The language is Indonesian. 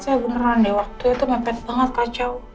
saya beneran deh waktu itu mepet banget kacau